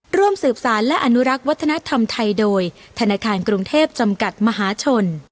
ร่วมสืบสารและอนุรักษ์วัฒนธรรมไทยโดยธนาคารกรุงเทพจำกัดมหาชน